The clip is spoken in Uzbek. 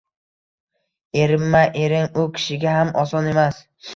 Erimma, erim… U kishiga ham oson emas